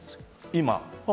今？